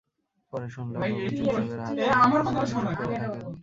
পরে শুনলাম, নবীন চিকিৎসকেরা হাত পাকানোর জন্য নাকি এসব করে থাকেন।